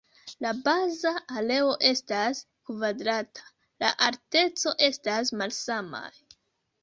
La baza areo estas kvadrata, la alteco estas malsamaj.